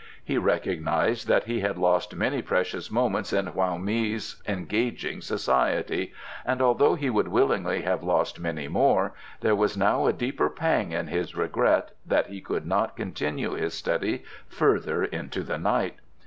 He recognized that he had lost many precious moments in Hoa mi's engaging society, and although he would willingly have lost many more, there was now a deeper pang in his regret that he could not continue his study further into the night.